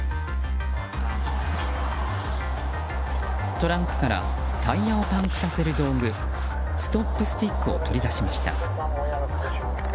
トランクからタイヤをパンクさせる道具ストップスティックを取り出しました。